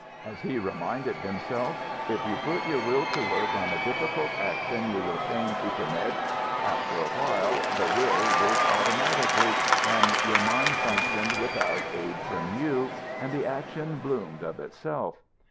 As he reminded himself, if you put your will to work on a difficult action you were fain to commit, after a while the will worked automatically and your mind functioned without aid from you, and the action bloomed of itself.